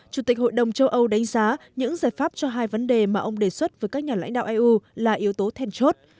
chủ tịch hội đồng châu âu đánh giá những giải pháp cho hai vấn đề mà ông đề xuất với các nhà lãnh đạo eu là yếu tố then chốt